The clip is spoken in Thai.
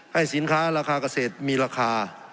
ให้สินค้าราคาเกษตรมีราคา